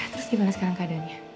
terus gimana sekarang keadaannya